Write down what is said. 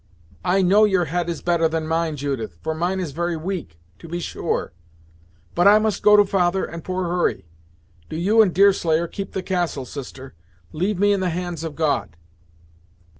"I know your head is better than mine, Judith, for mine is very weak, to be sure; but I must go to father and poor Hurry. Do you and Deerslayer keep the castle, sister; leave me in the hands of God."